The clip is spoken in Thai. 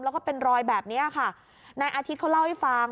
แล้วก็เป็นรอยแบบนี้ค่ะนายอาทิตย์เขาเล่าให้ฟัง